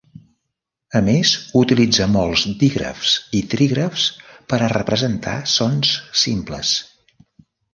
A més utilitza molts dígrafs i trígrafs per a representar sons simples.